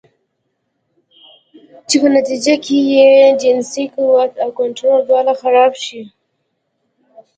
چې پۀ نتيجه کښې ئې جنسي قوت او کنټرول دواړه خراب شي